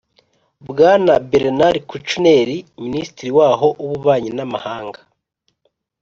Bwana Bernard Kouchner, minisitiri waho w'ububanyi n'amahanga